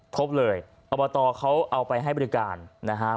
พบเลยอบตเขาเอาไปให้บริการนะครับ